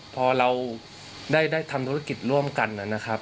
พอเราได้ทำธุรกิจร่วมกันนะครับ